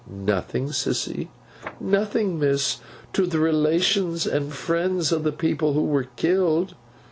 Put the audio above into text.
'Nothing, Sissy?' 'Nothing, Miss—to the relations and friends of the people who were killed.